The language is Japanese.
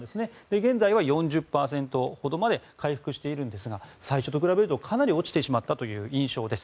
現在は４０％ほどまで回復しているんですが最初と比べるとかなり落ちてしまったという印象です。